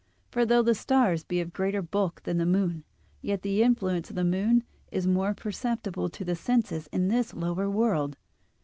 For though the stars be of greater bulk than the moon, yet the influence of the moon is more perceptible to the senses in this lower world.